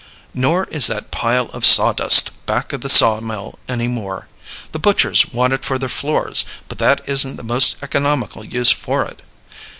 Nor is that pile of sawdust back of the sawmill any more. The butchers want it for their floors, but that isn't the most economical use for it.